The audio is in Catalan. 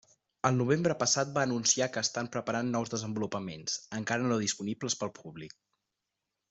El novembre passat va anunciar que estan preparant nous desenvolupaments, encara no disponibles pel públic.